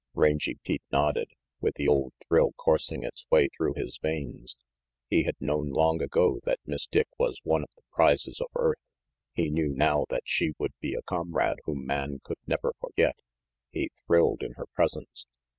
Rangy Pete nodded, with the old thrill coursing its way through his veins. He had known long ago that Miss Dick was one of the prizes of earth. He knew now that she would be a comrade whom man could never forget. He thrilled in her presence.